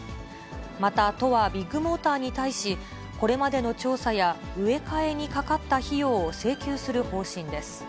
また、都はビッグモーターに対し、これまでの調査や植え替えにかかった費用を請求する方針です。